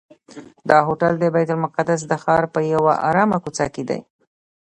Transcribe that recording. دا هوټل د بیت المقدس د ښار په یوه آرامه کوڅه کې دی.